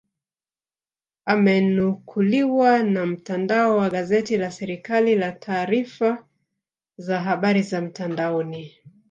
Amenukuliwa na mtandao wa gazeti la serikali la taarifa za habari za mtandaoni